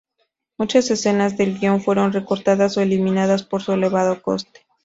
Muchas escenas del guion fueron recortadas o eliminadas por su elevado coste.